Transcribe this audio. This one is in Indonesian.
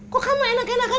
kok kamu enak enakan